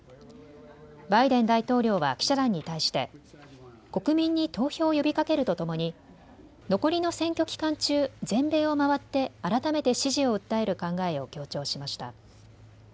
バイデン大統領は記者団に対して国民に投票を呼びかけるとともに残りの選挙期間中、全米を回って改めて支持を訴える考えを強調しました。